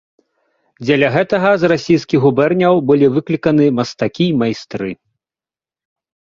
Дзеля гэтага з расійскіх губерняў былі выкліканы мастакі і майстры.